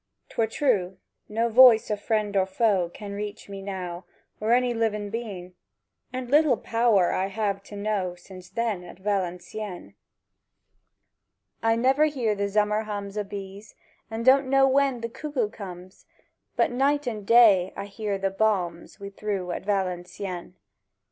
'Twer true. No voice o' friend or foe Can reach me now, or any livèn beën; And little have I power to know Since then at Valencieën! I never hear the zummer hums O' bees; and don' know when the cuckoo comes; But night and day I hear the bombs We threw at Valencieën .